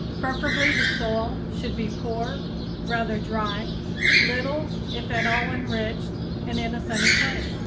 Preferably the soil should be poor, rather dry, little if at all enriched and in a sunny place.